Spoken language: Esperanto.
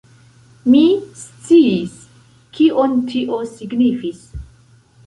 Mi sciis, kion tio signifis.